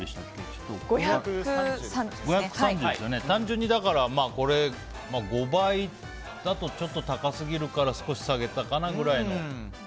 単純に５倍だとちょっと高すぎるから少し下げたかなぐらいの。